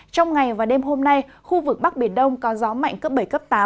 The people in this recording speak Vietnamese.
trong ngày và đêm hôm nay khu vực bắc biển đông có gió mạnh cấp bảy cấp tám